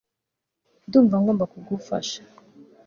ndumva ngomba kugufasha